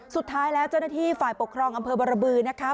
สุดท้ายแล้วเจ้าหน้าที่ฝ่ายปกครองอำเภอบรบือนะคะ